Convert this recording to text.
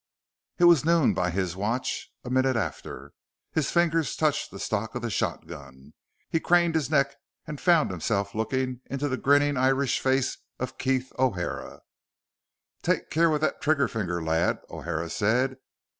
It was noon by his watch, a minute after. His fingers touched the stock of the shotgun. He craned his neck and found himself looking into the grinning Irish face of Keef O'Hara. "Take care with that trigger finger, lad," O'Hara said.